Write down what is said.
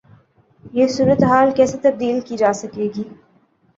یہ صورتحال کیسے تبدیل کی جا سکے گی؟